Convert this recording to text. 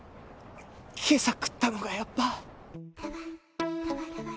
今朝食ったのがやっぱ。